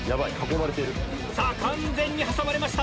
さぁ完全に挟まれました